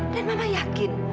dan mama yakin